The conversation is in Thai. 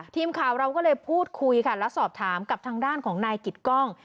ทีมข่าวเราก็เลยพูดคุยค่ะแล้วสอบถามกับทางด้านของนายกิตกล้อง